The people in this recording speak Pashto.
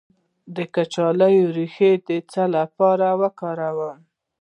د کچالو ریښه د څه لپاره وکاروم؟